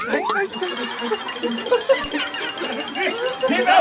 พี่ไปนะ